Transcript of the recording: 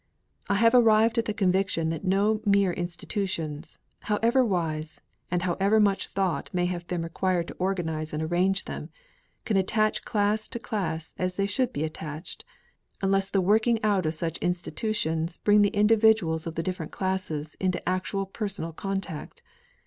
I have arrived at the conviction that no mere institutions, however wise, and however much thought may have been required to organise and arrange them, can attach class to class as they should be attached, unless the working out of such institutions bring the individuals of the different classes into actual personal contact.